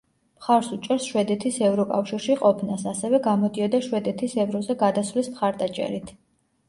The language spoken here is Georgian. მხარს უჭერს შვედეთის ევროკავშირში ყოფნას, ასევე გამოდიოდა შვედეთის ევროზე გადასვლის მხარდაჭერით.